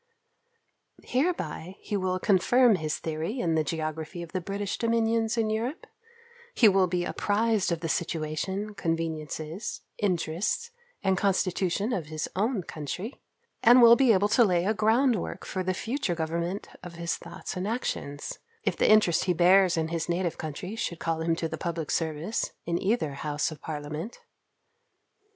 Hereby he will confirm his theory in the geography of the British dominions in Europe, he will be apprised of the situation, conveniences, interests, and constitution of his own country; and will be able to lay a ground work for the future government of his thoughts and actions, if the interest he bears in his native country should call him to the public service in either house of parliament.